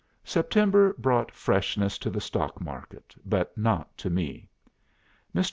'" "September brought freshness to the stock market but not to me. Mr.